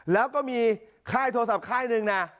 แล้วก็มีค่ายโทรศัพท์ค่ายหนึ่งนะ